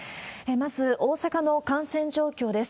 まず、大阪の感染状況です。